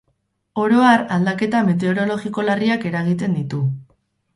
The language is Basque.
Oro har, aldaketa meteorologiko larriak eragiten ditu.